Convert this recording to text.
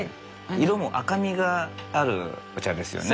色も赤みがあるお茶ですよね。